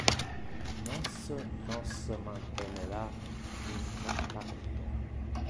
Nos nos mantenera in contacto.